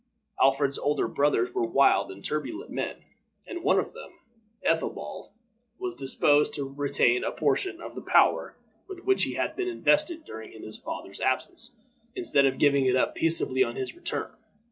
Alfred's older brothers were wild and turbulent men, and one of them, Ethelbald, was disposed to retain a portion of the power with which he had been invested during his father's absence, instead of giving it up peaceably on his return.